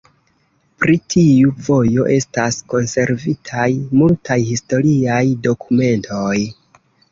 Pri tiu vojo estas konservitaj multaj historiaj dokumentoj.